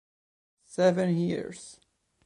Seven Years